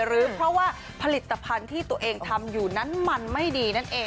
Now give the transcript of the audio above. หรือเพราะว่าผลิตภัณฑ์ที่ตัวเองทำอยู่นั้นมันไม่ดีนั่นเอง